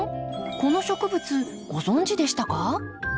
この植物ご存じでしたか？